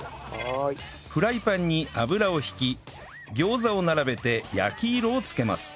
フライパンに油を引き餃子を並べて焼き色をつけます